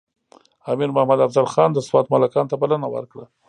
امیر محمد افضل خان د سوات ملکانو ته بلنه ورکړه.